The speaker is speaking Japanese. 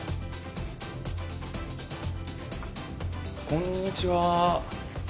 こんにちは。